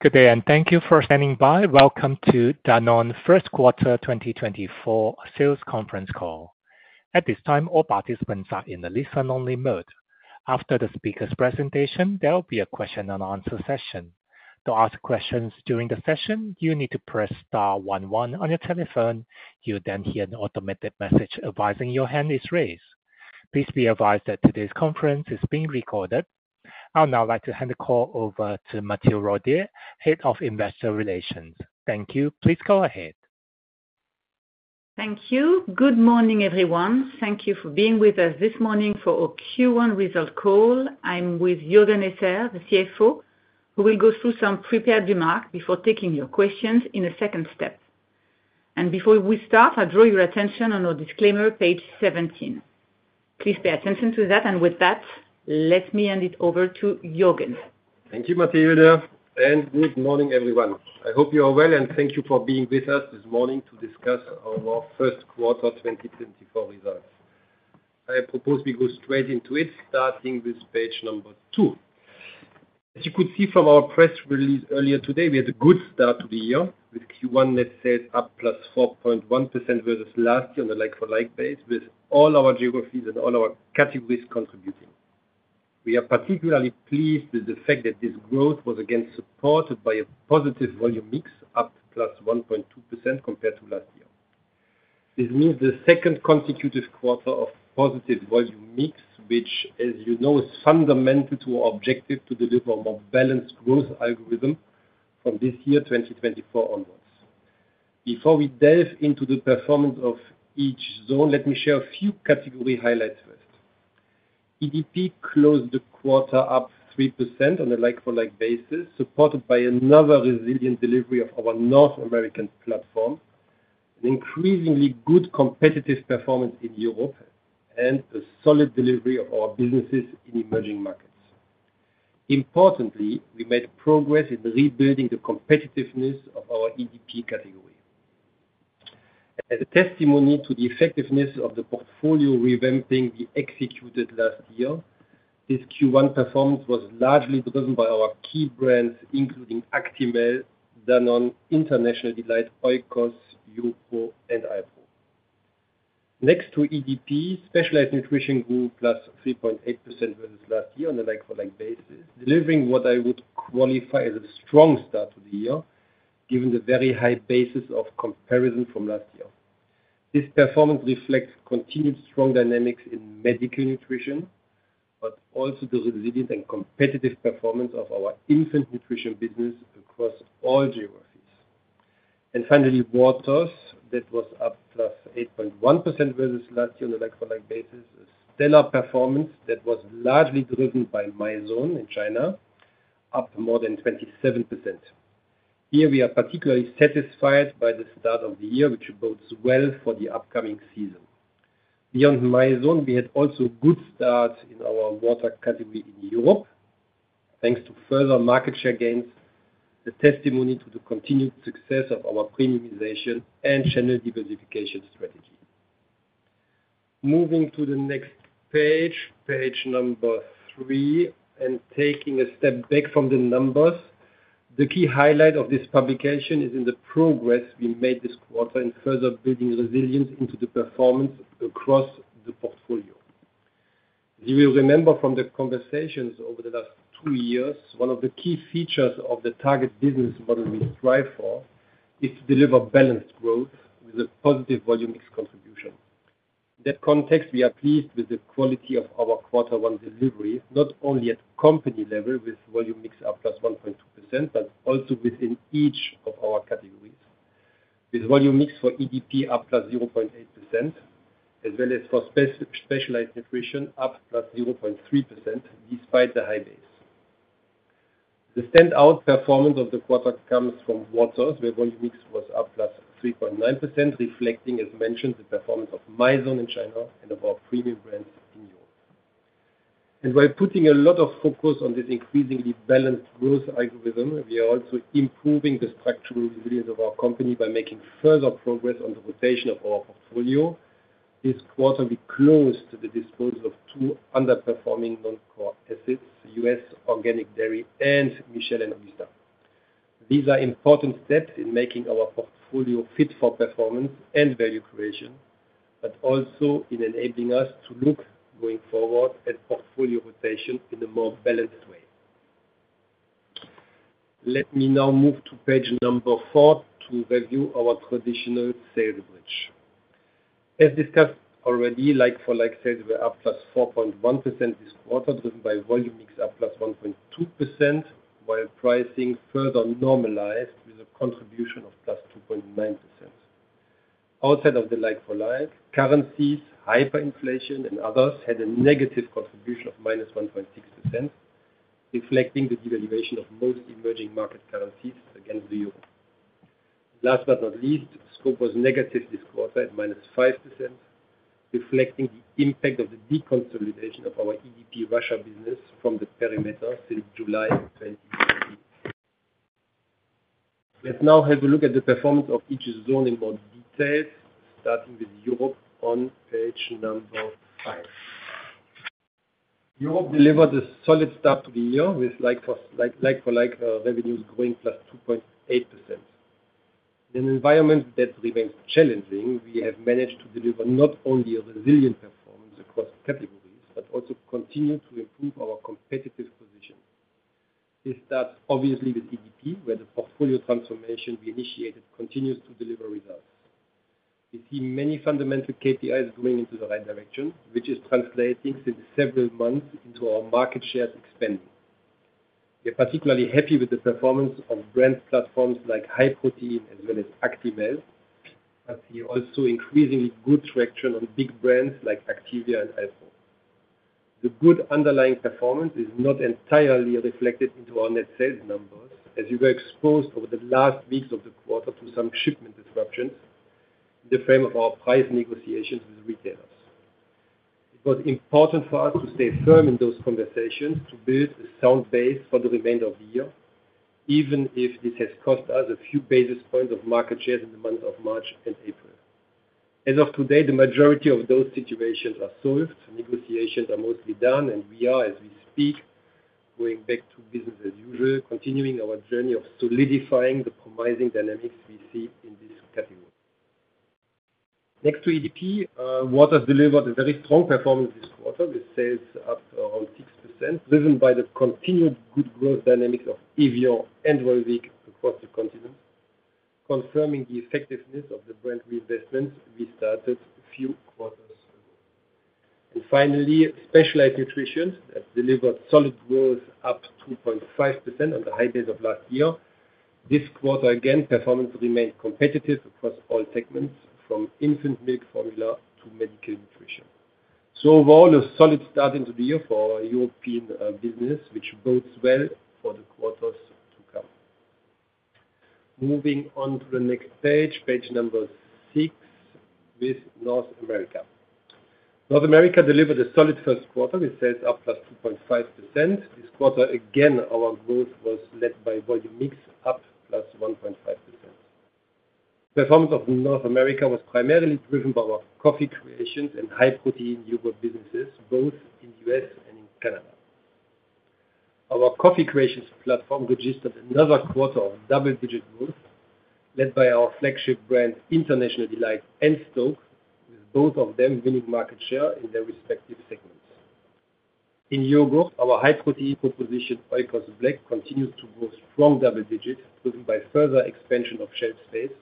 Good day, and thank you for standing by. Welcome to Danone First Quarter 2024 Sales Conference Call. At this time, all participants are in the listen-only mode. After the speaker's presentation, there will be a question-and-answer session. To ask questions during the session, you need to press star one one on your telephone. You'll then hear an automated message advising your hand is raised. Please be advised that today's conference is being recorded. I'd now like to hand the call over to Mathilde Rodié, Head of Investor Relations. Thank you. Please go ahead. Thank you. Good morning, everyone. Thank you for being with us this morning for our Q1 result call. I'm with Juergen Esser, the CFO, who will go through some prepared remarks before taking your questions in a second step. And before we start, I draw your attention on our disclaimer page 17. Please pay attention to that. And with that, let me hand it over to Juergen. Thank you, Mathilde, and good morning, everyone. I hope you are well, and thank you for being with us this morning to discuss our first quarter 2024 results. I propose we go straight into it, starting with page two. As you could see from our press release earlier today, we had a good start to the year with Q1 net sales up +4.1% versus last year on the like-for-like base, with all our geographies and all our categories contributing. We are particularly pleased with the fact that this growth was, again, supported by a positive volume mix up +1.2% compared to last year. This means the second consecutive quarter of positive volume mix, which, as you know, is fundamental to our objective to deliver a more balanced growth algorithm from this year, 2024, onwards. Before we delve into the performance of each zone, let me share a few category highlights first. EDP closed the quarter up 3% on a like-for-like basis, supported by another resilient delivery of our North American platform, an increasingly good competitive performance in Europe, and a solid delivery of our businesses in emerging markets. Importantly, we made progress in rebuilding the competitiveness of our EDP category. As a testimony to the effectiveness of the portfolio revamping we executed last year, this Q1 performance was largely driven by our key brands, including Actimel, Danone, International Delight, Oikos, YoPRO, and HiPRO. Next to EDP, Specialized Nutrition grew plus 3.8% versus last year on a like-for-like basis, delivering what I would qualify as a strong start to the year given the very high basis of comparison from last year. This performance reflects continued strong dynamics in medical nutrition, but also the resilient and competitive performance of our infant nutrition business across all geographies. And finally, Waters, that was up +8.1% versus last year on a like-for-like basis, a stellar performance that was largely driven by Mizone in China, up more than 27%. Here, we are particularly satisfied by the start of the year, which bodes well for the upcoming season. Beyond Mizone, we had also good starts in our water category in Europe, thanks to further market share gains, a testimony to the continued success of our premiumization and channel diversification strategy. Moving to the next page, page three, and taking a step back from the numbers, the key highlight of this publication is in the progress we made this quarter in further building resilience into the performance across the portfolio. As you will remember from the conversations over the last two years, one of the key features of the target business model we strive for is to deliver balanced growth with a positive volume mix contribution. In that context, we are pleased with the quality of our quarter one delivery, not only at company level with volume mix up +1.2%, but also within each of our categories, with volume mix for EDP up +0.8%, as well as for Specialized Nutrition up +0.3% despite the high base. The standout performance of the quarter comes from Waters, where volume mix was up +3.9%, reflecting, as mentioned, the performance of Mizone in China and of our premium brands in Europe. And while putting a lot of focus on this increasingly balanced growth algorithm, we are also improving the structural resilience of our company by making further progress on the rotation of our portfolio. This quarter, we closed to the disposal of two underperforming non-core assets, US Organic Dairy and Michel et Augustin. These are important steps in making our portfolio fit for performance and value creation, but also in enabling us to look going forward at portfolio rotation in a more balanced way. Let me now move to page four to review our traditional sales bridge. As discussed already, like-for-like sales were up +4.1% this quarter, driven by volume mix up +1.2%, while pricing further normalized with a contribution of +2.9%. Outside of the like-for-like, currencies, hyperinflation, and others had a negative contribution of -1.6%, reflecting the devaluation of most emerging market currencies against the euro. Last but not least, scope was negative this quarter at -5%, reflecting the impact of the deconsolidation of our EDP Russia business from the perimeter since July 2020. Let's now have a look at the performance of each zone in more detail, starting with Europe on page number five. Europe delivered a solid start to the year with like-for-like revenues growing +2.8%. In an environment that remains challenging, we have managed to deliver not only a resilient performance across categories, but also continue to improve our competitive position. This starts, obviously, with EDP, where the portfolio transformation we initiated continues to deliver results. We see many fundamental KPIs going into the right direction, which is translating since several months into our market share expanding. We are particularly happy with the performance of brand platforms like High Protein as well as Actimel, but see also increasingly good traction on big brands like Activia and HiPRO. The good underlying performance is not entirely reflected into our net sales numbers, as you were exposed over the last weeks of the quarter to some shipment disruptions in the frame of our price negotiations with retailers. It was important for us to stay firm in those conversations to build a sound base for the remainder of the year, even if this has cost us a few basis points of market share in the months of March and April. As of today, the majority of those situations are solved. Negotiations are mostly done, and we are, as we speak, going back to business as usual, continuing our journey of solidifying the promising dynamics we see in this category. Next to EDP, Waters delivered a very strong performance this quarter with sales up around 6%, driven by the continued good growth dynamics of Evian and Volvic across the continent, confirming the effectiveness of the brand reinvestments we started a few quarters ago. And finally, Specialized Nutrition that delivered solid growth up 2.5% on the high base of last year. This quarter, again, performance remained competitive across all segments, from infant milk formula to medical nutrition. So overall, a solid start into the year for our European business, which bodes well for the quarters to come. Moving on to the next page, page six, with North America. North America delivered a solid first quarter with sales up +2.5%. This quarter, again, our growth was led by volume mix up +1.5%. Performance of North America was primarily driven by our Coffee Creations and high-protein yogurt businesses, both in the U.S. and in Canada. Our Coffee Creations platform registered another quarter of double-digit growth, led by our flagship brands International Delight and STōK, with both of them winning market share in their respective segments. In yogurt, our high-protein proposition, Oikos Black, continues to grow strong double-digit, driven by further expansion of shelf space,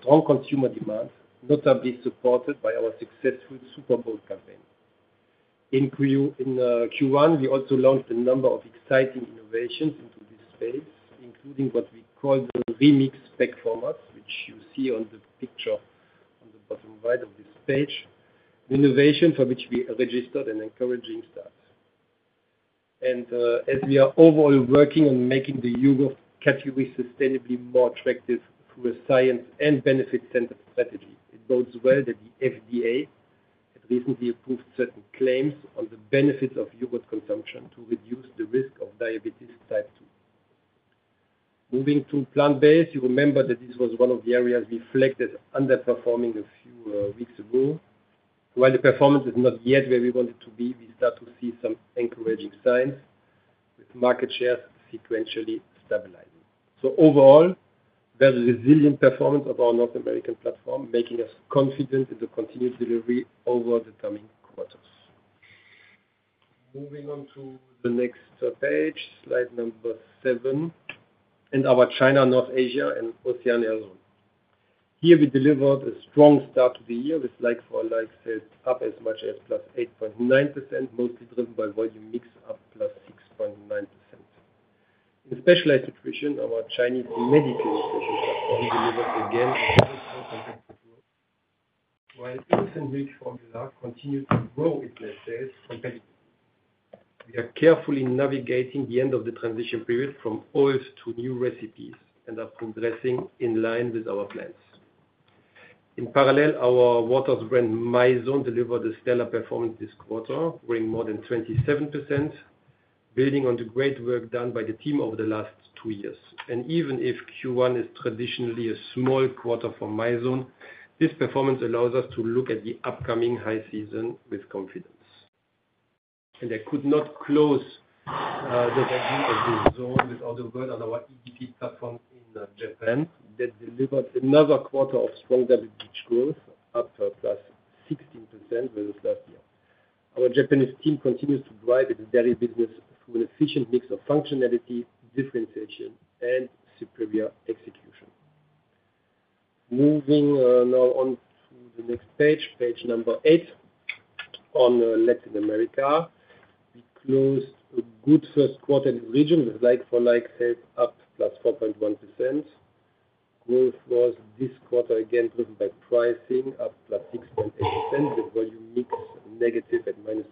strong consumer demand, notably supported by our successful Super Bowl campaign. In Q1, we also launched a number of exciting innovations into this space, including what we call the Oikos Remix, which you see on the picture on the bottom right of this page, an innovation for which we registered an encouraging start. As we are overall working on making the yogurt category sustainably more attractive through a science and benefit-centered strategy, it bodes well that the FDA had recently approved certain claims on the benefits of yogurt consumption to reduce the risk of diabetes type 2. Moving to plant-based, you remember that this was one of the areas we flagged as underperforming a few weeks ago. While the performance is not yet where we wanted to be, we start to see some encouraging signs, with market shares sequentially stabilizing. So overall, very resilient performance of our North American platform, making us confident in the continued delivery over the coming quarters. Moving on to the next page, slide number seven, and our China, North Asia, and Oceania zone. Here, we delivered a strong start to the year with like-for-like sales up as much as +8.9%, mostly driven by volume mix up +6.9%. In Specialized Nutrition, our Chinese Medical Nutrition platform delivered, again, a very strong competitive growth, while infant milk formula continued to grow its net sales competitively. We are carefully navigating the end of the transition period from old to new recipes and are progressing in line with our plans. In parallel, our Waters brand Mizone delivered a stellar performance this quarter, growing more than 27%, building on the great work done by the team over the last two years. And even if Q1 is traditionally a small quarter for Mizone, this performance allows us to look at the upcoming high season with confidence. I could not close the review of this zone without a word on our EDP platform in Japan that delivered another quarter of strong double-digit growth, up +16% versus last year. Our Japanese team continues to drive its dairy business through an efficient mix of functionality, differentiation, and superior execution. Moving now on to the next page, page eight, on Latin America, we closed a good first quarter in the region with like-for-like sales up +4.1%. Growth was this quarter, again, driven by pricing, up +6.8%, with volume mix negative at -2.6%.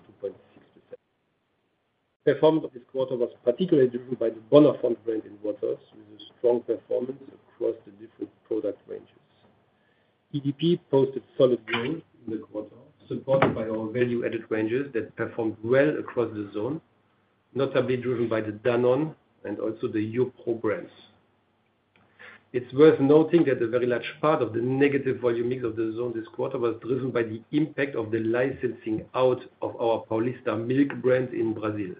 Performance this quarter was particularly driven by the Bonafont brand in Waters, with a strong performance across the different product ranges. EDP posted solid growth in the quarter, supported by our value-added ranges that performed well across the zone, notably driven by the Danone and also the YoPRO brands. It's worth noting that a very large part of the negative volume mix of the zone this quarter was driven by the impact of the licensing out of our Paulista milk brand in Brazil.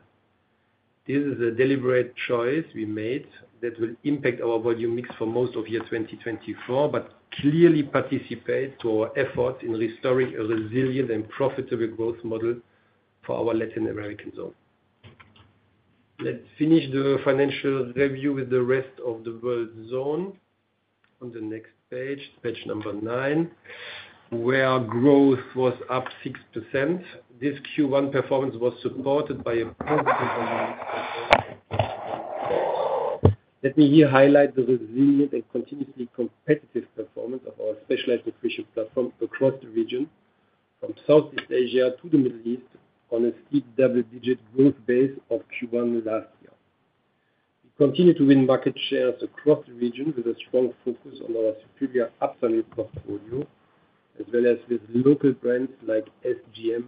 This is a deliberate choice we made that will impact our volume mix for most of year 2024, but clearly participates to our efforts in restoring a resilient and profitable growth model for our Latin American zone. Let's finish the financial review with the Rest of the World zone on the next page, page nine, where growth was up 6%. This Q1 performance was supported by a positive volume mix performance across the zone this year. Let me here highlight the resilient and continuously competitive performance of our Specialized Nutrition platform across the region, from Southeast Asia to the Middle East, on a steep double-digit growth base of Q1 last year. We continue to win market shares across the region with a strong focus on our superior upselling portfolio, as well as with local brands like SGM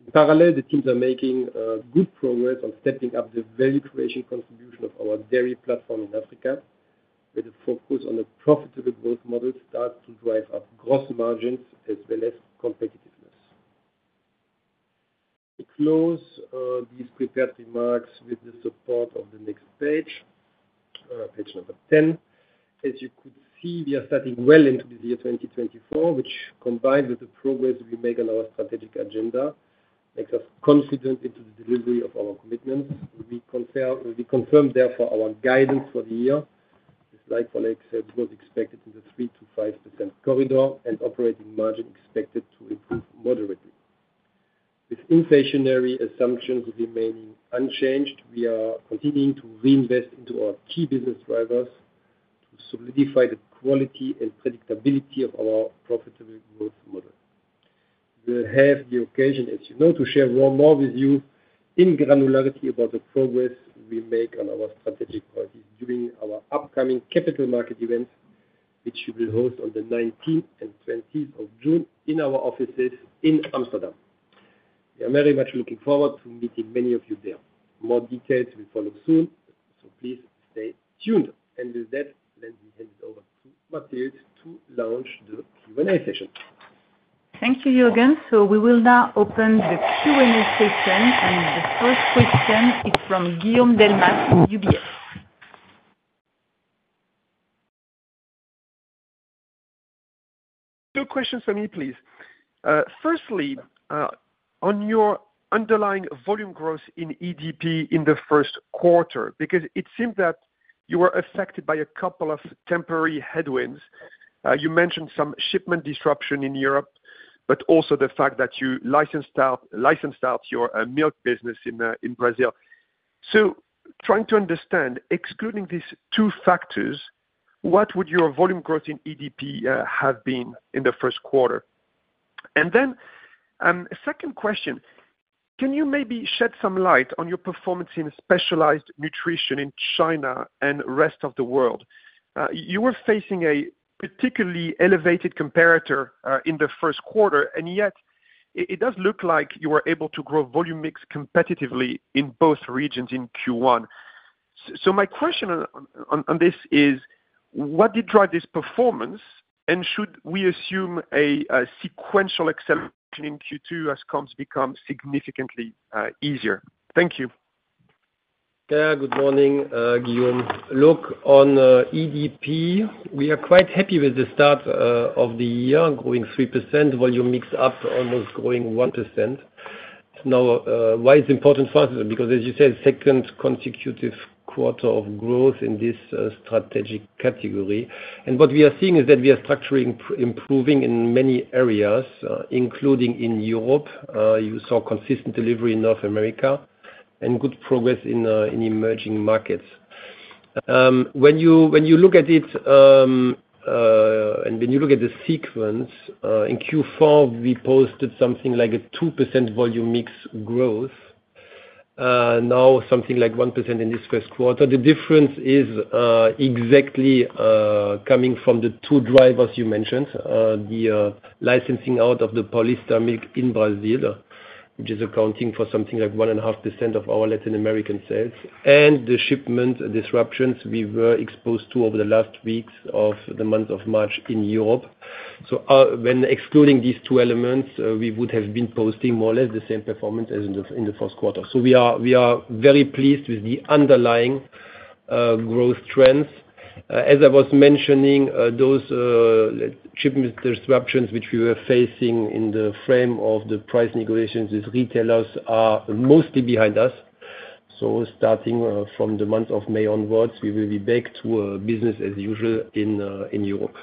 in Indonesia. In parallel, the teams are making good progress on stepping up the value creation contribution of our dairy platform in Africa, with a focus on a profitable growth model start to drive up gross margins as well as competitiveness. I close these prepared remarks with the support of the next page, page number 10. As you could see, we are starting well into this year 2024, which, combined with the progress we make on our strategic agenda, makes us confident into the delivery of our commitments. We confirm, therefore, our guidance for the year. This like-for-like sales was expected in the 3%-5% corridor, and operating margin expected to improve moderately. With inflationary assumptions remaining unchanged, we are continuing to reinvest into our key business drivers to solidify the quality and predictability of our profitable growth model. We will have the occasion, as you know, to share one more with you in granularity about the progress we make on our strategic policies during our upcoming capital market events, which we will host on the 19th and 20th of June in our offices in Amsterdam. We are very much looking forward to meeting many of you there. More details will follow soon, so please stay tuned. And with that, let me hand it over to Mathilde to launch the Q&A session. Thank you, Juergen. So we will now open the Q&A session, and the first question is from Guillaume Delmas, UBS. Two questions for me, please. Firstly, on your underlying volume growth in EDP in the first quarter, because it seemed that you were affected by a couple of temporary headwinds. You mentioned some shipment disruption in Europe, but also the fact that you licensed out your milk business in Brazil. So trying to understand, excluding these two factors, what would your volume growth in EDP have been in the first quarter? And then second question, can you maybe shed some light on your performance in Specialized Nutrition in China and rest of the world? You were facing a particularly elevated comparator in the first quarter, and yet it does look like you were able to grow volume mix competitively in both regions in Q1. So my question on this is, what did drive this performance, and should we assume a sequential acceleration in Q2 as comps become significantly easier? Thank you. Good morning, Guillaume. Look, on EDP, we are quite happy with the start of the year, growing 3%, volume mix up almost growing 1%. Now, why is it important for us? Because, as you said, second consecutive quarter of growth in this strategic category. And what we are seeing is that we are structurally improving in many areas, including in Europe. You saw consistent delivery in North America and good progress in emerging markets. When you look at it and when you look at the sequence, in Q4, we posted something like a 2% volume mix growth, now something like 1% in this first quarter. The difference is exactly coming from the two drivers you mentioned, the licensing out of the Paulista milk in Brazil, which is accounting for something like 1.5% of our Latin American sales, and the shipment disruptions we were exposed to over the last weeks of the month of March in Europe. So when excluding these two elements, we would have been posting more or less the same performance as in the first quarter. So we are very pleased with the underlying growth trends. As I was mentioning, those shipment disruptions which we were facing in the frame of the price negotiations with retailers are mostly behind us. So starting from the month of May onwards, we will be back to business as usual in Europe.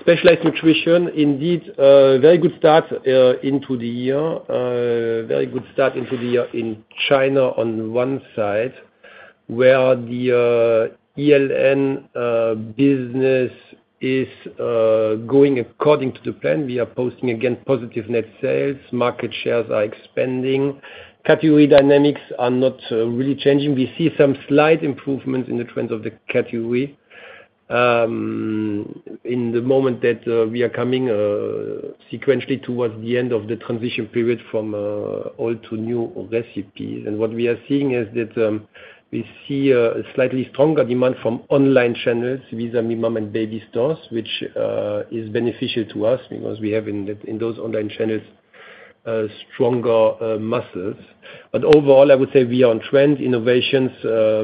Specialized Nutrition, indeed, a very good start into the year. Very good start into the year in China on one side, where the ELN business is going according to the plan. We are posting, again, positive net sales. Market shares are expanding. Category dynamics are not really changing. We see some slight improvements in the trends of the category in the moment that we are coming sequentially towards the end of the transition period from old to new recipes. And what we are seeing is that we see a slightly stronger demand from online channels, versus Mama and Baby Stores, which is beneficial to us because we have in those online channels stronger muscles. But overall, I would say we are on trend. Innovations,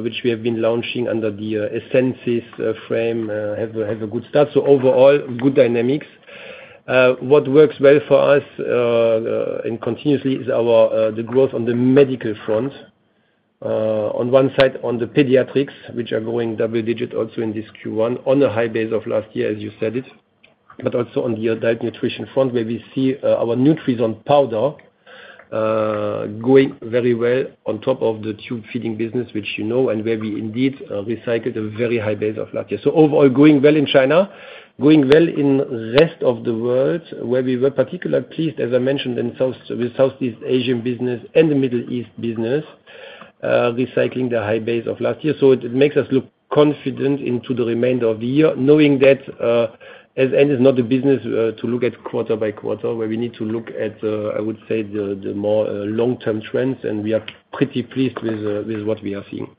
which we have been launching under the Essensis frame, have a good start. So overall, good dynamics. What works well for us continuously is the growth on the medical front. On one side, on the pediatrics, which are going double-digit also in this Q1, on a high base of last year, as you said it, but also on the adult nutrition front, where we see our Nutrison powder going very well on top of the tube feeding business, which you know, and where we indeed recycled a very high base of last year. So overall, going well in China, going well in the rest of the world, where we were particularly pleased, as I mentioned, with Southeast Asian business and the Middle East business recycling the high base of last year. So it makes us look confident into the remainder of the year, knowing that SN is not a business to look at quarter by quarter, where we need to look at, I would say, the more long-term trends. And we are pretty pleased with what we are seeing.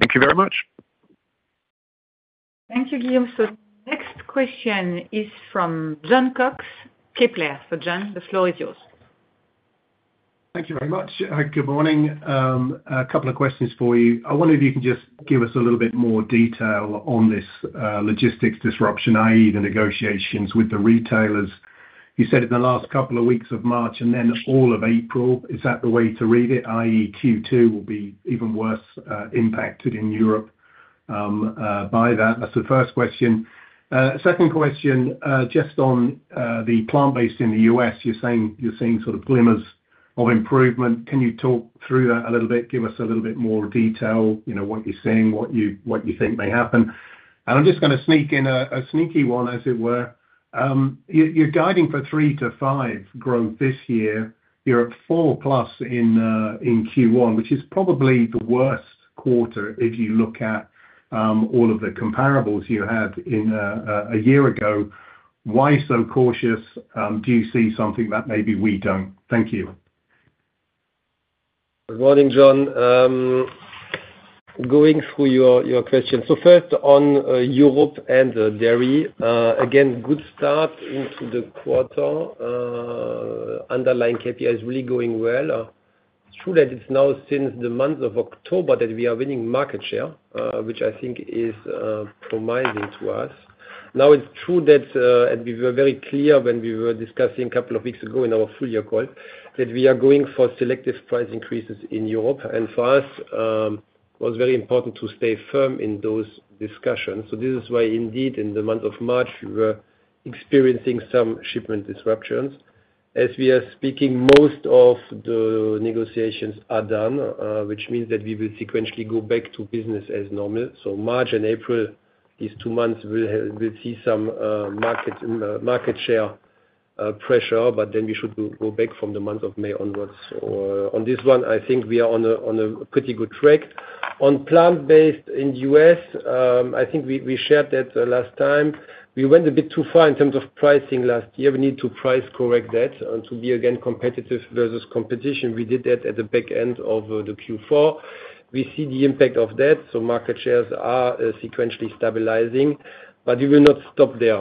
Thank you very much. Thank you, Guillaume. So the next question is from Jon Cox Kepler Cheuvreux. So Jon, the floor is yours. Thank you very much. Good morning. A couple of questions for you. I wonder if you can just give us a little bit more detail on this logistics disruption, i.e., the negotiations with the retailers. You said in the last couple of weeks of March and then all of April. Is that the way to read it, i.e., Q2 will be even worse impacted in Europe by that? That's the first question. Second question, just on the plant-based in the U.S., you're seeing sort of glimmers of improvement. Can you talk through that a little bit? Give us a little bit more detail, what you're seeing, what you think may happen. And I'm just going to sneak in a sneaky one, as it were. You're guiding for 3%-5% growth this year. You're at 4%+ in Q1, which is probably the worst quarter if you look at all of the comparables you had a year ago. Why so cautious? Do you see something that maybe we don't? Thank you. Good morning, John. Going through your question. So first, on Europe and dairy, again, good start into the quarter. Underlying KPI is really going well. It's true that it's now since the month of October that we are winning market share, which I think is promising to us. Now, it's true that we were very clear when we were discussing a couple of weeks ago in our full-year call that we are going for selective price increases in Europe. And for us, it was very important to stay firm in those discussions. So this is why, indeed, in the month of March, we were experiencing some shipment disruptions. As we are speaking, most of the negotiations are done, which means that we will sequentially go back to business as normal. So March and April, these two months, we'll see some market share pressure, but then we should go back from the month of May onwards. So on this one, I think we are on a pretty good track. On plant-based in the U.S., I think we shared that last time. We went a bit too far in terms of pricing last year. We need to price-correct that to be, again, competitive versus competition. We did that at the back end of the Q4. We see the impact of that. So market shares are sequentially stabilizing, but we will not stop there.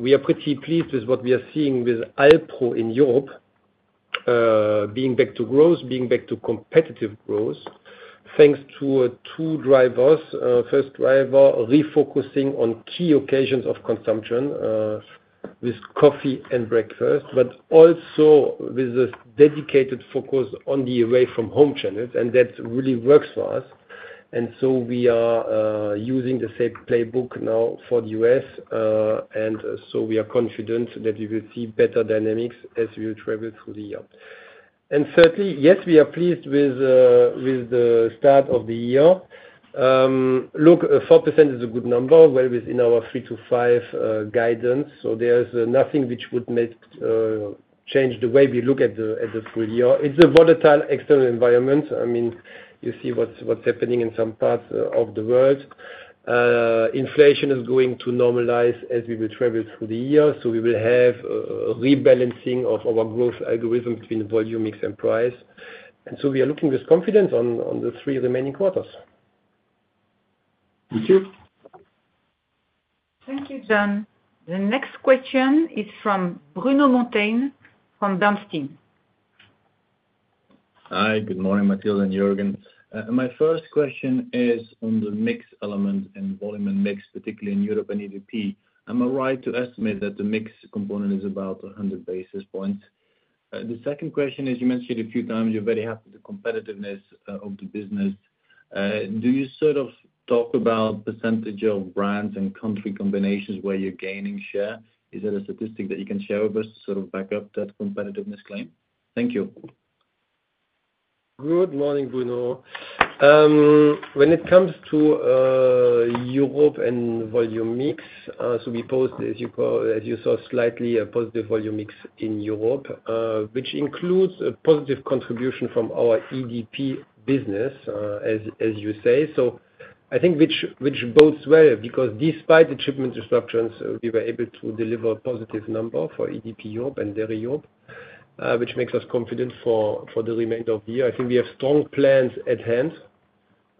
We are pretty pleased with what we are seeing with Alpro in Europe being back to growth, being back to competitive growth thanks to two drivers. First driver, refocusing on key occasions of consumption with coffee and breakfast, but also with a dedicated focus on the away-from-home channels. That really works for us. So we are using the same playbook now for the US. So we are confident that we will see better dynamics as we will travel through the year. Thirdly, yes, we are pleased with the start of the year. Look, 4% is a good number, well, within our 3%-5% guidance. There's nothing which would change the way we look at the full year. It's a volatile external environment. I mean, you see what's happening in some parts of the world. Inflation is going to normalize as we will travel through the year. So we will have a rebalancing of our growth algorithm between volume mix and price. And so we are looking with confidence on the three remaining quarters. Thank you. Thank you, Jon. The next question is from Bruno Monteyne from Bernstein. Hi. Good morning, Mathilde and Juergen. My first question is on the mix element and volume mix, particularly in Europe and EDP. Am I right to estimate that the mix component is about 100 basis points? The second question is, you mentioned it a few times. You're very happy with the competitiveness of the business. Do you sort of talk about percentage of brands and country combinations where you're gaining share? Is that a statistic that you can share with us to sort of back up that competitiveness claim? Thank you. Good morning, Bruno. When it comes to Europe and volume mix, so we post, as you saw, slightly a positive volume mix in Europe, which includes a positive contribution from our EDP business, as you say. So I think which bodes well because despite the shipment disruptions, we were able to deliver a positive number for EDP Europe and dairy Europe, which makes us confident for the remainder of the year. I think we have strong plans at hand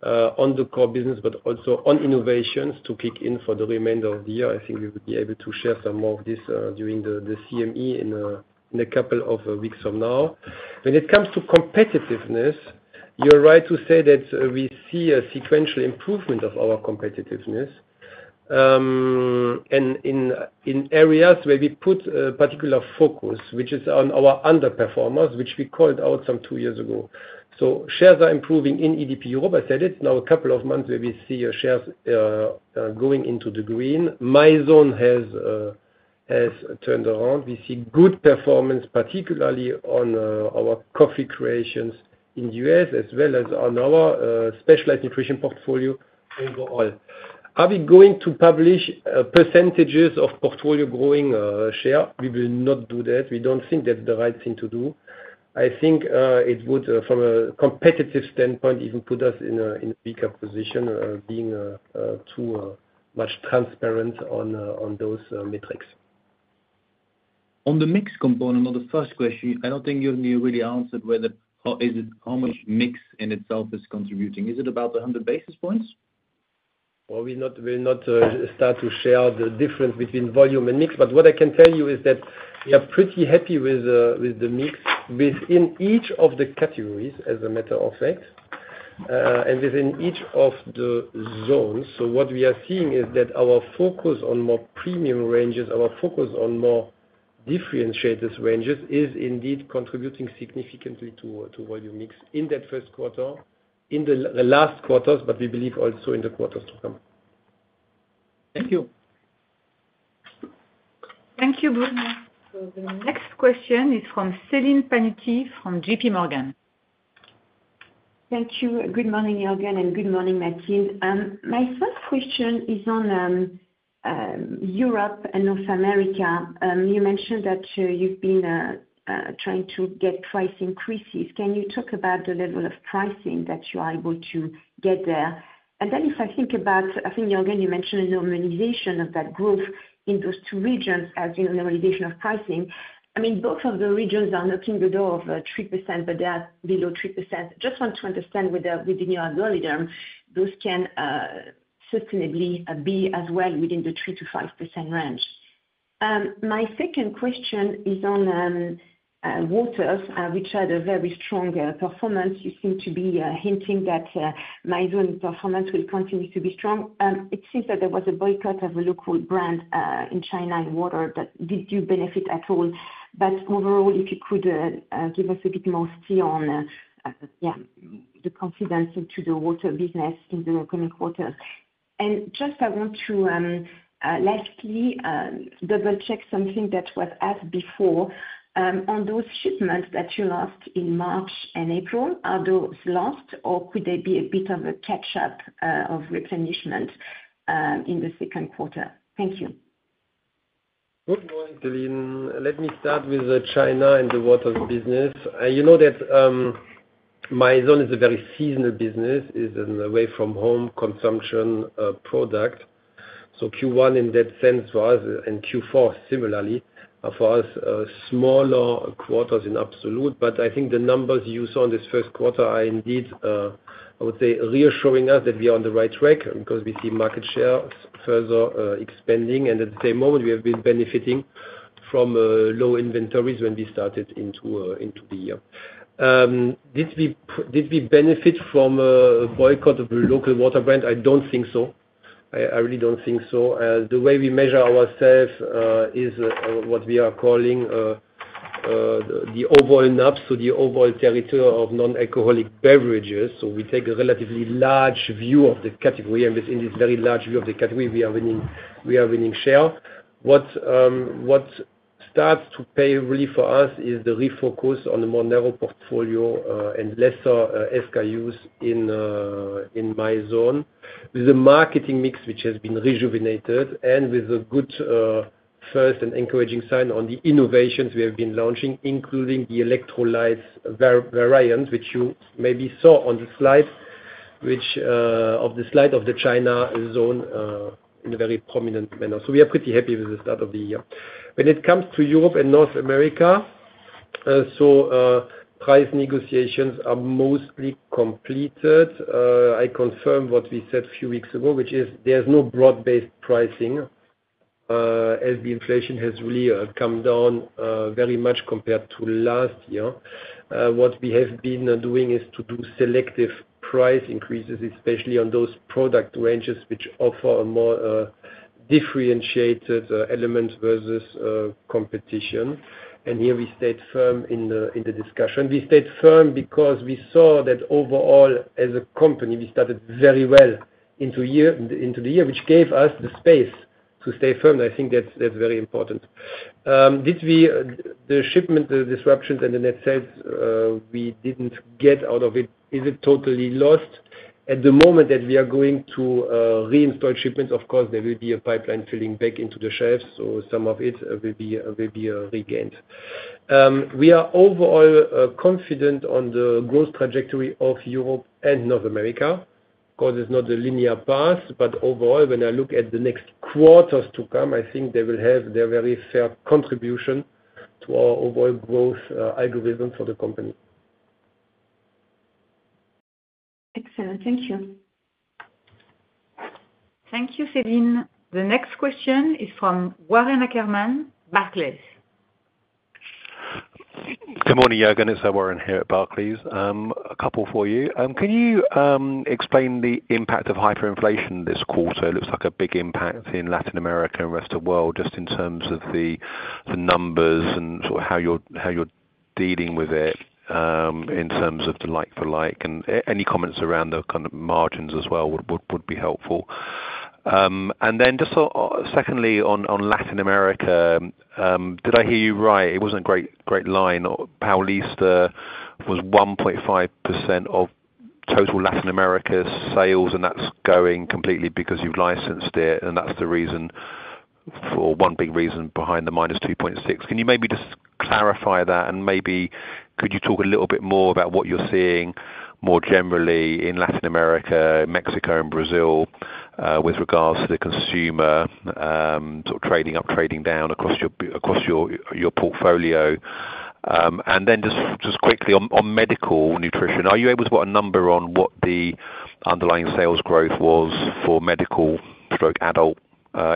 on the core business, but also on innovations to kick in for the remainder of the year. I think we will be able to share some more of this during the CME in a couple of weeks from now. When it comes to competitiveness, you're right to say that we see a sequential improvement of our competitiveness and in areas where we put a particular focus, which is on our underperformers, which we called out some two years ago. So shares are improving in EDP Europe. I said it. It's now a couple of months where we see shares going into the green. Mizone has turned around. We see good performance, particularly on our Coffee Creations in the U.S., as well as on our Specialized Nutrition portfolio overall. Are we going to publish percentages of portfolio growing share? We will not do that. We don't think that's the right thing to do. I think it would, from a competitive standpoint, even put us in a weaker position, being too much transparent on those metrics. On the mix component, on the first question, I don't think you really answered whether how much mix in itself is contributing. Is it about 100 basis points? Well, we'll not start to share the difference between volume and mix. But what I can tell you is that we are pretty happy with the mix within each of the categories, as a matter of fact, and within each of the zones. So what we are seeing is that our focus on more premium ranges, our focus on more differentiated ranges, is indeed contributing significantly to volume mix in that first quarter, in the last quarters, but we believe also in the quarters to come. Thank you. Thank you, Bruno. So the next question is from Céline Pannuti from JPMorgan. Thank you. Good morning, Juergen, and good morning, Mathilde. You mentioned that you've been trying to get price increases. Can you talk about the level of pricing that you are able to get there? And then if I think about, I think, Juergen, you mentioned a normalization of that growth in those two regions as normalization of pricing. I mean, both of the regions are knocking the door of 3%, but they are below 3%. Just want to understand, within your algorithm, those can sustainably be as well within the 3%-5% range. My second question is on waters, which had a very strong performance. You seem to be hinting that Mizone performance will continue to be strong. It seems that there was a boycott of a local brand in China in water. Did you benefit at all? But overall, if you could give us a bit more steer on, yeah, the confidence into the water business in the upcoming quarters. And just I want to, lastly, double-check something that was asked before. On those shipments that you lost in March and April, are those lost, or could there be a bit of a catch-up of replenishment in the second quarter? Thank you. Good morning, Céline. Let me start with China and the waters business. You know that Mizone is a very seasonal business, is an away-from-home consumption product. So Q1, in that sense, for us, and Q4, similarly, are for us smaller quarters in absolute. But I think the numbers you saw in this first quarter are indeed, I would say, reassuring us that we are on the right track because we see market shares further expanding. At the same moment, we have been benefiting from low inventories when we started into the year. Did we benefit from a boycott of a local water brand? I don't think so. I really don't think so. The way we measure ourselves is what we are calling the overall NAB, so the overall territory of non-alcoholic beverages. So we take a relatively large view of the category. Within this very large view of the category, we are winning share. What starts to pay really for us is the refocus on a more narrow portfolio and lesser SKUs in Mizone, with a marketing mix which has been rejuvenated and with a good first and encouraging sign on the innovations we have been launching, including the electrolytes variants, which you maybe saw on the slide of the China zone in a very prominent manner. So we are pretty happy with the start of the year. When it comes to Europe and North America, so price negotiations are mostly completed. I confirm what we said a few weeks ago, which is there's no broad-based pricing as the inflation has really come down very much compared to last year. What we have been doing is to do selective price increases, especially on those product ranges which offer a more differentiated element versus competition. And here we stayed firm in the discussion. We stayed firm because we saw that overall, as a company, we started very well into the year, which gave us the space to stay firm. And I think that's very important. Did the shipment disruptions and the net sales, we didn't get out of it. Is it totally lost? At the moment that we are going to reinstall shipments, of course, there will be a pipeline filling back into the shelves. So some of it will be regained. We are overall confident on the growth trajectory of Europe and North America because it's not a linear path. But overall, when I look at the next quarters to come, I think they will have their very fair contribution to our overall growth algorithm for the company. Excellent. Thank you. Thank you, Céline. The next question is from Warren Ackerman, Barclays. Good morning, Juergen. It's Warren here at Barclays. A couple for you. Can you explain the impact of hyperinflation this quarter? It looks like a big impact in Latin America and rest of the world just in terms of the numbers and sort of how you're dealing with it in terms of the like-for-like. And any comments around the kind of margins as well would be helpful. And then just secondly, on Latin America, did I hear you right? It wasn't a great line. Paulista was 1.5% of total Latin America sales, and that's going completely because you've licensed it. And that's the one big reason behind the -2.6%. Can you maybe just clarify that? And maybe could you talk a little bit more about what you're seeing more generally in Latin America, Mexico, and Brazil with regards to the consumer sort of trading up, trading down across your portfolio? And then just quickly, on medical nutrition, are you able to put a number on what the underlying sales growth was for medical/adult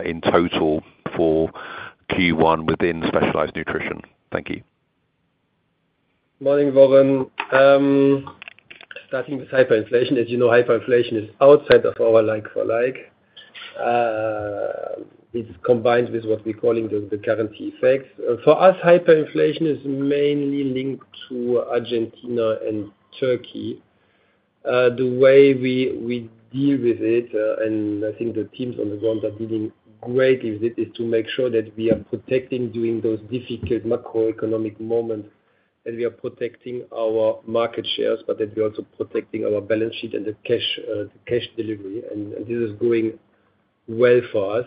in total for Q1 within specialized nutrition? Thank you. Morning, Warren. Starting with hyperinflation, as you know, hyperinflation is outside of our like-for-like. It's combined with what we're calling the currency effects. For us, hyperinflation is mainly linked to Argentina and Turkey. The way we deal with it, and I think the teams on the ground are dealing greatly with it, is to make sure that we are protecting during those difficult macroeconomic moments, that we are protecting our market shares, but that we're also protecting our balance sheet and the cash delivery. This is going well for us.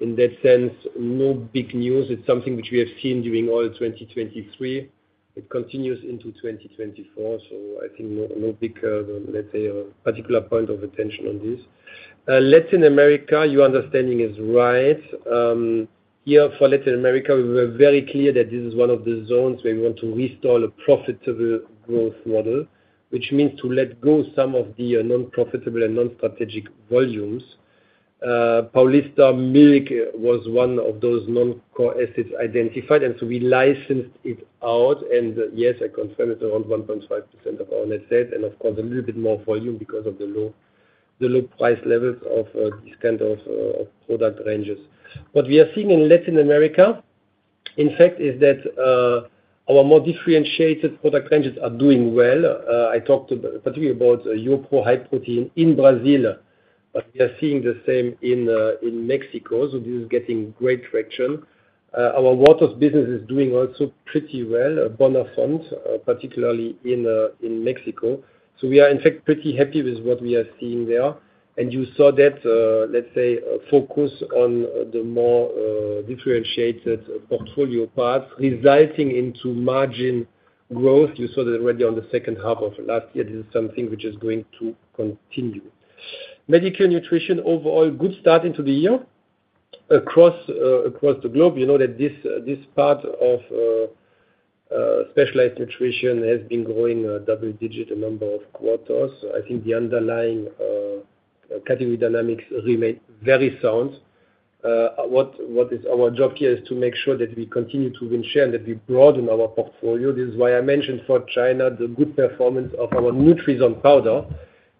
In that sense, no big news. It's something which we have seen during all 2023. It continues into 2024. I think no big, let's say, particular point of attention on this. Latin America, your understanding is right. Here, for Latin America, we were very clear that this is one of the zones where we want to restore the profitable growth model, which means to let go some of the nonprofitable and nonstrategic volumes. Paulista Milk was one of those non-core assets identified, and so we licensed it out. And yes, I confirm it's around 1.5% of our net sales and, of course, a little bit more volume because of the low price levels of these kinds of product ranges. What we are seeing in Latin America, in fact, is that our more differentiated product ranges are doing well. I talked particularly about YoPRO High Protein in Brazil, but we are seeing the same in Mexico. So this is getting great traction. Our Waters business is doing also pretty well, Bonafont, particularly in Mexico. So we are, in fact, pretty happy with what we are seeing there. You saw that, let's say, focus on the more differentiated portfolio parts resulting into margin growth. You saw that already on the second half of last year. This is something which is going to continue. Medical Nutrition, overall, good start into the year across the globe. You know that this part of Specialized Nutrition has been growing double-digit a number of quarters. I think the underlying category dynamics remain very sound. What is our job here is to make sure that we continue to win share and that we broaden our portfolio. This is why I mentioned for China the good performance of our Nutrison powder,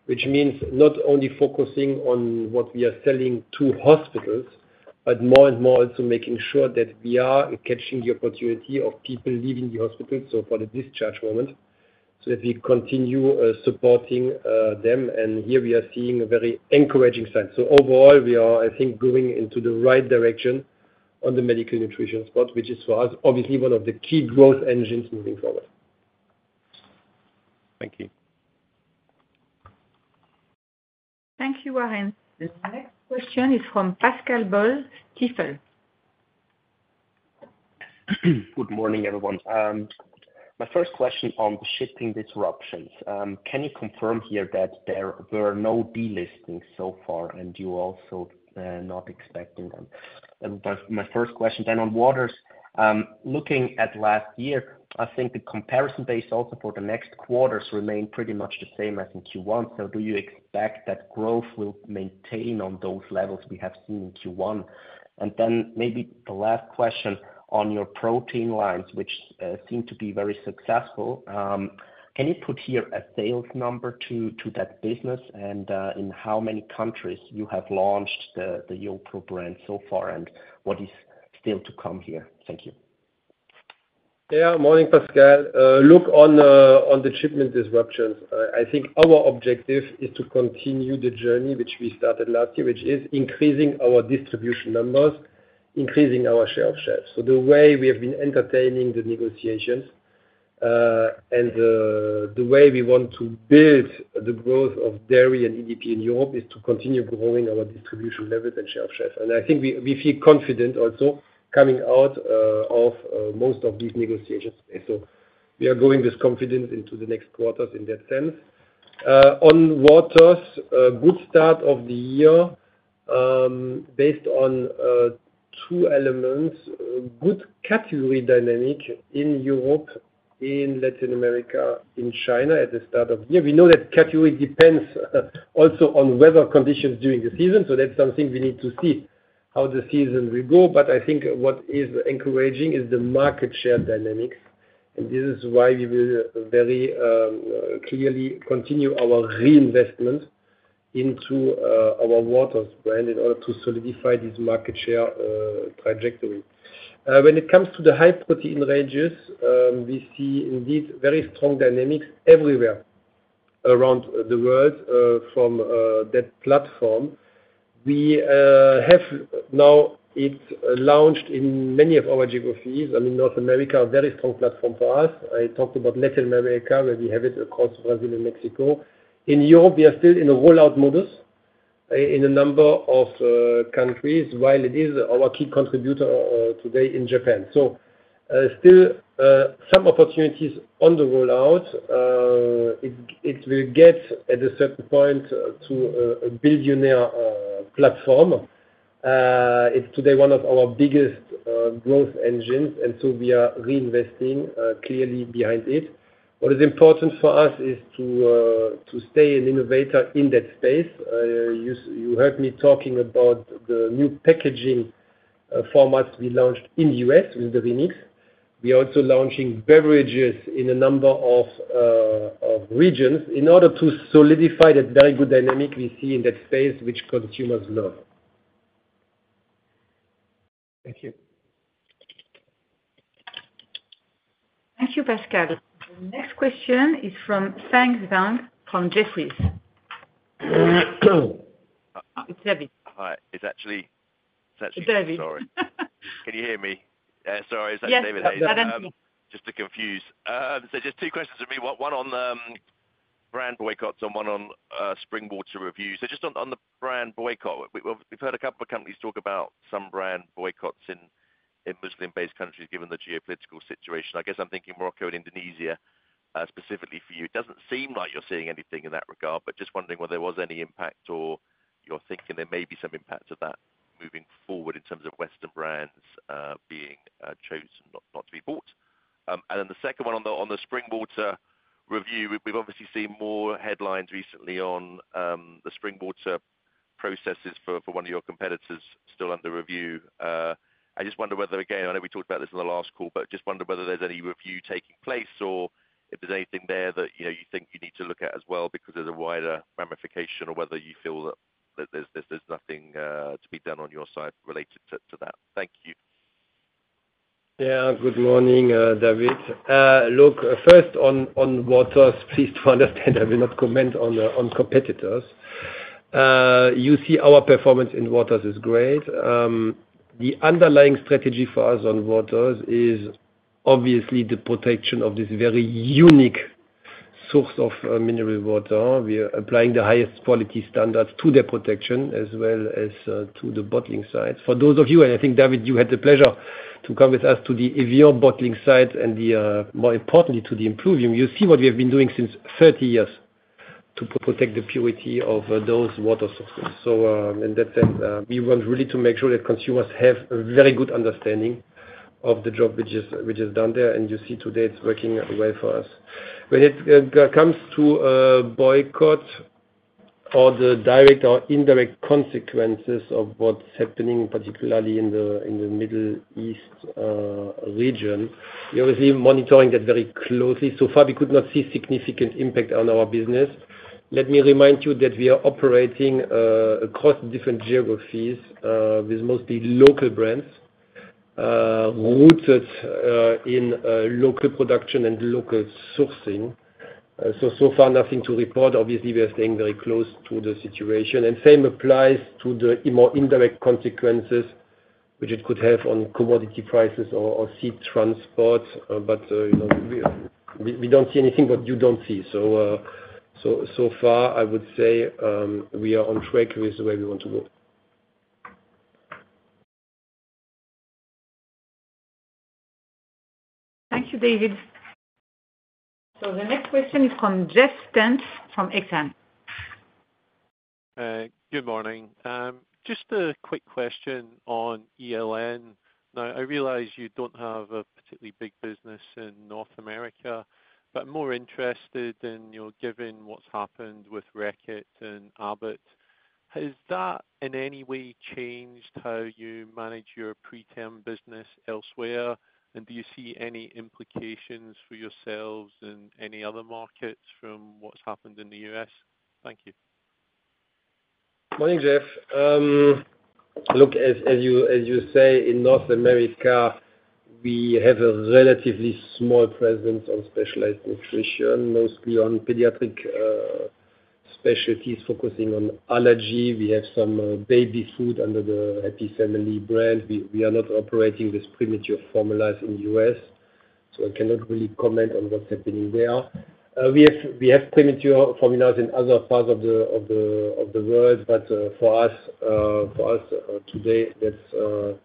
which means not only focusing on what we are selling to hospitals, but more and more also making sure that we are catching the opportunity of people leaving the hospital, so for the discharge moment, so that we continue supporting them. And here we are seeing a very encouraging sign. So overall, we are, I think, going into the right direction on the Medical Nutrition spot, which is for us, obviously, one of the key growth engines moving forward. Thank you. Thank you, Warren. The next question is from Pascal Boll, Stifel. Good morning, everyone. My first question on the shipping disruptions. Can you confirm here that there were no delistings so far and you're also not expecting them? And my first question then on Waters. Looking at last year, I think the comparison base also for the next quarters remained pretty much the same as in Q1. So do you expect that growth will maintain on those levels we have seen in Q1? And then maybe the last question on your protein lines, which seem to be very successful. Can you put here a sales number to that business and in how many countries you have launched the YoPRO brand so far and what is still to come here? Thank you. Yeah. Morning, Pascal. Look, on the shipment disruptions, I think our objective is to continue the journey which we started last year, which is increasing our distribution numbers, increasing our share of shelves. So the way we have been entertaining the negotiations and the way we want to build the growth of dairy and EDP in Europe is to continue growing our distribution levels and share of shelves. And I think we feel confident also coming out of most of these negotiations. So we are going with confidence into the next quarters in that sense. On Waters, good start of the year based on two elements: good category dynamic in Europe, in Latin America, in China at the start of the year. We know that category depends also on weather conditions during the season. So that's something we need to see how the season will go. But I think what is encouraging is the market share dynamics. And this is why we will very clearly continue our reinvestment into our Waters brand in order to solidify this market share trajectory. When it comes to the high protein ranges, we see indeed very strong dynamics everywhere around the world from that platform. We have now launched in many of our geographies. I mean, North America is a very strong platform for us. I talked about Latin America. We already have it across Brazil and Mexico. In Europe, we are still in a rollout mode in a number of countries while it is our key contributor today in Japan. Still some opportunities on the rollout. It will get at a certain point to a billionaire platform. It's today one of our biggest growth engines. So we are reinvesting clearly behind it. What is important for us is to stay an innovator in that space. You heard me talking about the new packaging formats we launched in the U.S. with the Remix. We are also launching beverages in a number of regions in order to solidify that very good dynamic we see in that space which consumers love. Thank you. Thank you, Pascal. The next question is from David Hayes from Jefferies. It's David. Hi. It's actually David. Sorry. Can you hear me? Sorry. It's actually David Hayes. Just to confuse. So just two questions for me. One on brand boycotts and one on spring water review. So just on the brand boycott, we've heard a couple of companies talk about some brand boycotts in Muslim-based countries given the geopolitical situation. I guess I'm thinking Morocco and Indonesia specifically for you. It doesn't seem like you're seeing anything in that regard, but just wondering whether there was any impact or you're thinking there may be some impact of that moving forward in terms of Western brands being chosen not to be bought. And then the second one on the spring water review, we've obviously seen more headlines recently on the spring water processes for one of your competitors still under review. I just wonder whether, again, I know we talked about this in the last call, but just wonder whether there's any review taking place or if there's anything there that you think you need to look at as well because there's a wider ramification or whether you feel that there's nothing to be done on your side related to that. Thank you. Yeah. Good morning, David. Look, first, on waters, please do understand I will not comment on competitors. You see, our performance in waters is great. The underlying strategy for us on waters is obviously the protection of this very unique source of mineral water. We are applying the highest quality standards to their protection as well as to the bottling sites. For those of you and I think, David, you had the pleasure to come with us to the Evian bottling sites and, more importantly, to the Impluvium. You see what we have been doing since 30 years to protect the purity of those water sources. So in that sense, we want really to make sure that consumers have a very good understanding of the job which is done there. And you see today, it's working well for us. When it comes to boycott or the direct or indirect consequences of what's happening, particularly in the Middle East region, we're obviously monitoring that very closely. So far, we could not see significant impact on our business. Let me remind you that we are operating across different geographies with mostly local brands rooted in local production and local sourcing. So far, nothing to report. Obviously, we are staying very close to the situation. And same applies to the more indirect consequences which it could have on commodity prices or seed transport. But we don't see anything what you don't see. So so far, I would say we are on track with the way we want to go. Thank you, David. So the next question is from Jeff Stent from Exane BNP Paribas. Good morning. Just a quick question on ELN. Now, I realize you don't have a particularly big business in North America, but I'm more interested in your giving what's happened with Reckitt and Abbott. Has that in any way changed how you manage your pre-term business elsewhere? And do you see any implications for yourselves in any other markets from what's happened in the US? Thank you. Morning, Jeff. Look, as you say, in North America, we have a relatively small presence on Specialized Nutrition, mostly on pediatric specialties focusing on allergy. We have some baby food under the Happy Family brand. We are not operating this premature formulas in the US. So I cannot really comment on what's happening there. We have premature formulas in other parts of the world, but for us today, that's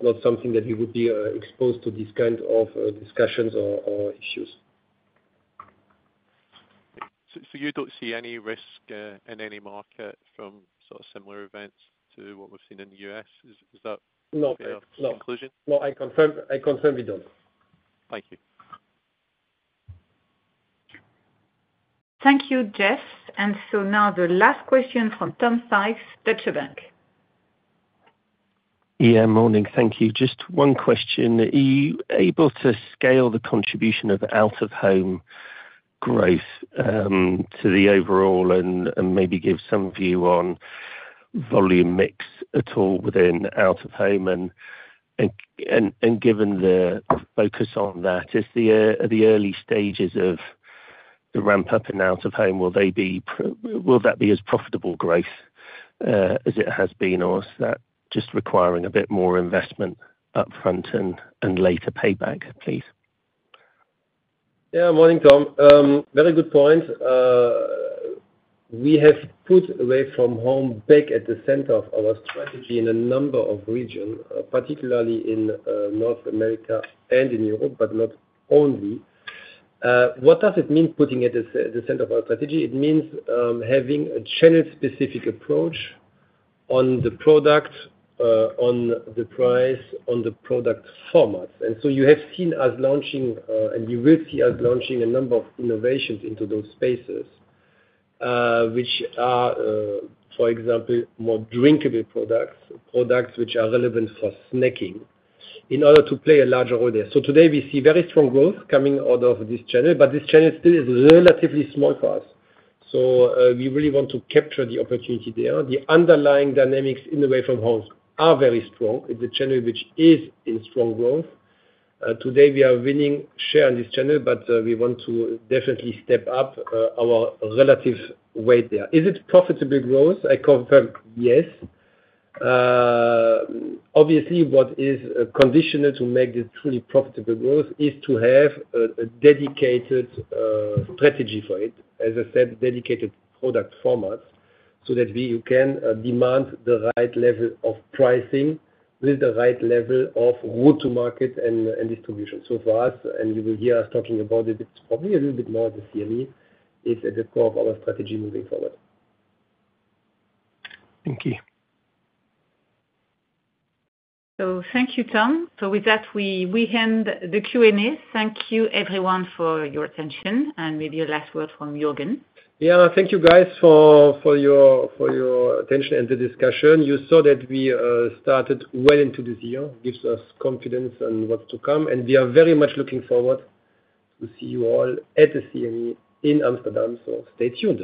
not something that we would be exposed to these kinds of discussions or issues. So you don't see any risk in any market from sort of similar events to what we've seen in the US? Is that fair conclusion? No, I confirm we don't. Thank you. Thank you, Jeff. So now the last question from Tom Sykes, Deutsche Bank. Yeah. Morning. Thank you. Just one question. Are you able to scale the contribution of out-of-home growth to the overall and maybe give some view on volume mix at all within out-of-home? And given the focus on that, are the early stages of the ramp-up in out-of-home, will that be as profitable growth as it has been, or is that just requiring a bit more investment upfront and later payback, please? Yeah. Morning, Tom. Very good point. We have put away-from-home back at the center of our strategy in a number of regions, particularly in North America and in Europe, but not only. What does it mean putting it at the center of our strategy? It means having a channel-specific approach on the product, on the price, on the product formats. And so you have seen us launching and you will see us launching a number of innovations into those spaces which are, for example, more drinkable products, products which are relevant for snacking in order to play a larger role there. So today, we see very strong growth coming out of this channel, but this channel still is relatively small for us. So we really want to capture the opportunity there. The underlying dynamics in away from home are very strong. It's a channel which is in strong growth. Today, we are winning share on this channel, but we want to definitely step up our relative weight there. Is it profitable growth? I confirm yes. Obviously, what is conditional to make this truly profitable growth is to have a dedicated strategy for it, as I said, dedicated product formats so that you can demand the right level of pricing with the right level of route to market and distribution. So for us, and you will hear us talking about it, it's probably a little bit more the CME. It's at the core of our strategy moving forward. Thank you. So thank you, Tom. So with that, we end the Q&A. Thank you, everyone, for your attention. And maybe a last word from Juergen. Yeah. Thank you, guys, for your attention and the discussion. You saw that we started well into this year. It gives us confidence on what's to come. And we are very much looking forward to see you all at the CME in Amsterdam. So stay tuned.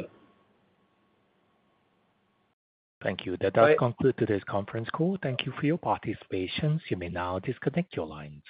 Thank you. That does conclude today's conference call. Thank you for your participation. You may now disconnect your lines.